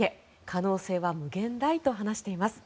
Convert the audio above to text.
可能性は無限大と話しています。